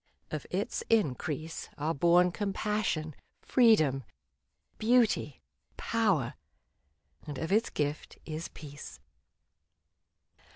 Of its increase Are born compassion, freedom, beauty, power ; And of its gift is peace.